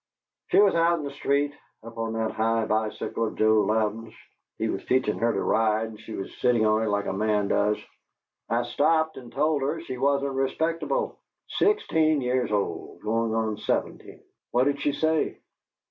"She was out in the street, up on that high bicycle of Joe Louden's. He was teachin' her to ride, and she was sittin' on it like a man does. I stopped and told her she wasn't respectable. Sixteen years old, goin' on seventeen!" "What did she say?"